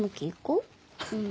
うん。